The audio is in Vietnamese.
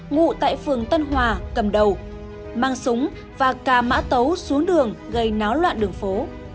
ngụ tại phường tân hòa cầm đầu mang súng và cà mã tấu xuống đường gây náo loạn đường phố